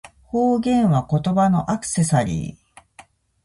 方言は、言葉のアクセサリー